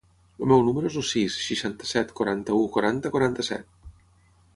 El meu número es el sis, seixanta-set, quaranta-u, quaranta, quaranta-set.